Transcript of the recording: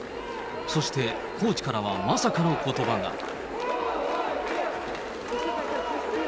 そしてコーチからはまさかのことばが。